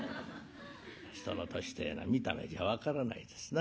人の年てえのは見た目じゃ分からないですな。